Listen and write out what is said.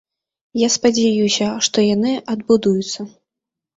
І я спадзяюся, што яны адбудуцца.